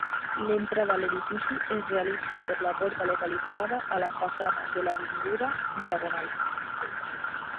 L'entrada a l'edifici es realitza per la porta localitzada a la façana de l'Avinguda Diagonal.